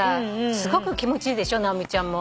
すごく気持ちいいでしょ直美ちゃんも。